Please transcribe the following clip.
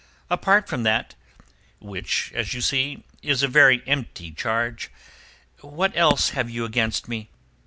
Apart from that, which, as you see, is a very empty charge, what else have you against me?